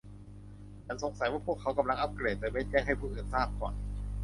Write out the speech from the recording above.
ฉันสงสัยว่าพวกเขากำลังอัปเกรดโดยไม่แจ้งให้ผู้อื่นทราบก่อน